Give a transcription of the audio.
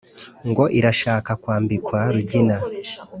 ngo irashaka kwambikwa rugina.